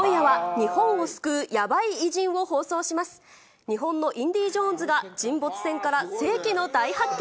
日本のインディ・ジョーンズが沈没船から世紀の大発見？